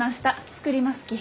作りますき。